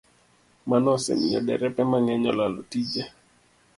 Mano osemiyo derepe mang'eny olalo tije